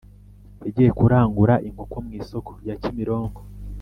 Yagiye kurangura inkoko mwisoko rya kimironko